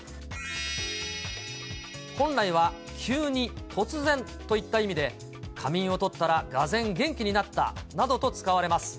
本来は急に、突然といった意味で、仮眠をとったら、がぜん元気になったなどと使われます。